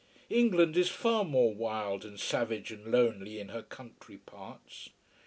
England is far more wild and savage and lonely, in her country parts.